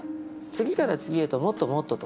次から次へともっともっととかですね